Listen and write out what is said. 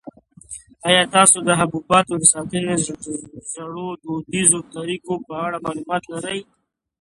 آیا تاسو د حبوباتو د ساتنې د زړو دودیزو طریقو په اړه معلومات لرئ؟